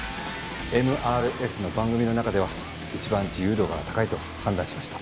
ＭＲＳの番組の中では一番自由度が高いと判断しました。